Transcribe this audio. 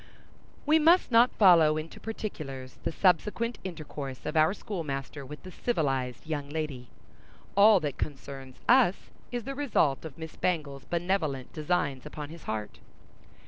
We must not follow into particulars the subsequent intercourse of our schoolmaster with the civilized young lady. All that concerns us is the result of Miss Bangle's benevolent designs upon his heart.